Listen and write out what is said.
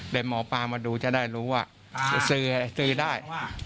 แต่หมอปลามาดูจะได้รู้ว่าซื้อได้